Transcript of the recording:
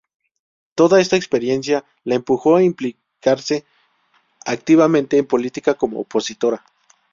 Toda esta experiencia la empujó a implicarse activamente en política como opositora.